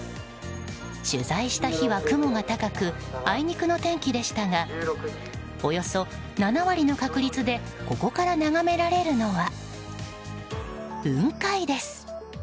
取材した日は雲が高くあいにくの天気でしたがおよそ７割の確率でここから眺められるのは雲海です。